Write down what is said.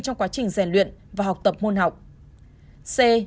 trong quá trình rèn luyện và học tập môn học